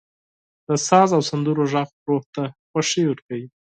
• د ساز او سندرو ږغ روح ته خوښي ورکوي.